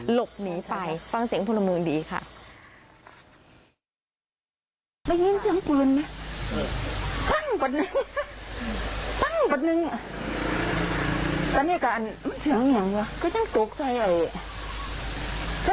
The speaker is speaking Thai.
หลบหนีไปฟังเสียงพลเมืองดีค่ะ